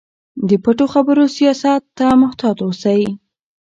د پټو خبرو سیاست ته محتاط اوسئ.